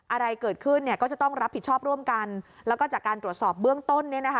อะไรเกิดขึ้นเนี่ยก็จะต้องรับผิดชอบร่วมกันแล้วก็จากการตรวจสอบเบื้องต้นเนี่ยนะคะ